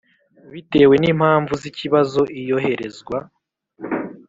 Bitewe n impamvu z ikibazo iyoherezwa